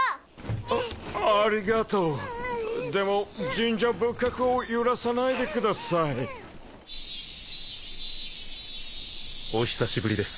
・あありがとうでも神社仏閣を揺らさないでくださいお久しぶりです